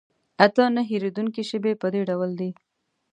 اته نه هېرېدونکي شیبې په دې ډول دي.